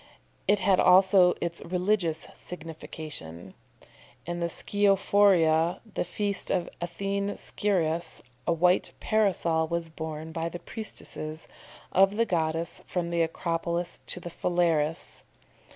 It had also its religious signification. In the Scirophoria, the feast of Athene Sciras, a white Parasol was borne by the priestesses of the goddess from the Acropolis to the Phalerus.